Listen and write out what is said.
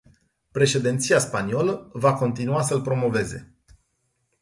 Președinția spaniolă va continua să-l promoveze.